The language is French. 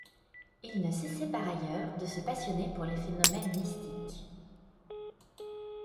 Il ne cessait par ailleurs de se passionner pour les phénomènes mystiques.